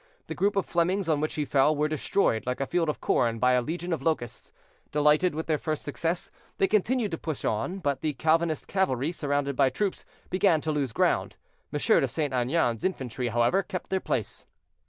The group of Flemings on which he fell were destroyed like a field of corn by a legion of locusts. Delighted with their first success, they continued to push on; but the Calvinist cavalry, surrounded by troops, began to lose ground. M. de St. Aignan's infantry, however, kept their place.